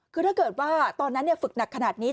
คือถ้าเกิดว่าตอนนั้นฝึกหนักขนาดนี้